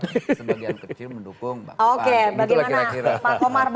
sebagian kecil mendukung pak komar